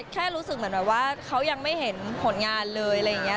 แค่รู้สึกเหมือนแบบว่าเขายังไม่เห็นผลงานเลยอะไรอย่างนี้